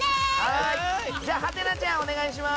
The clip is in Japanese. はてなちゃん、お願いします。